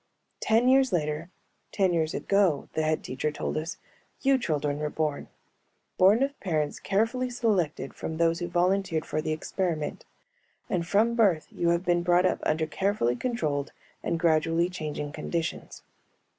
"Ten years later, ten years ago," the Head Teacher told us, "you children were born. Born of parents carefully selected from those who volunteered for the experiment. And from birth you have been brought up under carefully controlled and gradually changing conditions.